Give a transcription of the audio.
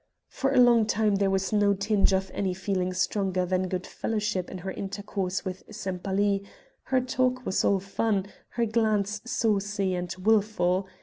For a long time there was no tinge of any feeling stronger than good fellowship in her intercourse with Sempaly; her talk was all fun, her glance saucy and wilful.